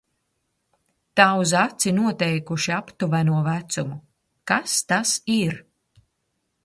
Tā uz aci noteikuši aptuveno vecumu. Kas tas ir?